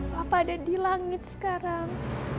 bapak ada di langit sekarang